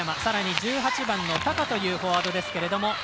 さらに１８番の高というフォワードですけれども。